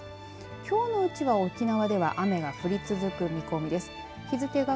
きょうのうちは沖縄では雨が降り続く見込みです。